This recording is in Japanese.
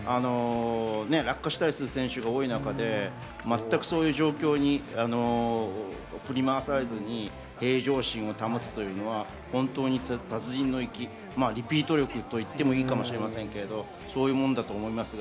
落下したりする選手が多い中、全くそういう状況に振り回されずに平常心を保つというのは達人の域、リピート力といってもいいのかもしれませんけど、そういうものだと思います。